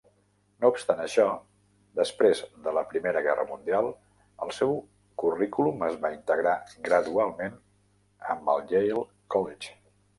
No obstant això, després de la Primera Guerra Mundial, el seu currículum es va integrar gradualment amb el Yale College.